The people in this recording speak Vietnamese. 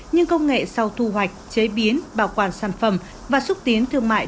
nhưng công nghệ sau thu hoạch chế biến bảo quản sản phẩm và xúc tiến thương mại